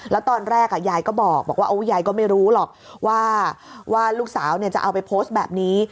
แล้วตอนแรกยายก็บอกว่ายายก็ไม่รู้หรอกว่าลูกสาวจะเอาไปโพสต์แบบนี้